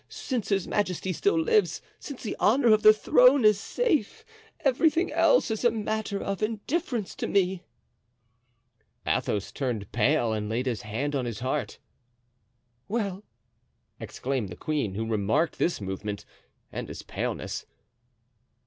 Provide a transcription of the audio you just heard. Since his majesty still lives, since the honor of the throne is safe, everything else is a matter of indifference to me." Athos turned pale and laid his hand on his heart. "Well!" exclaimed the queen, who remarked this movement and his paleness.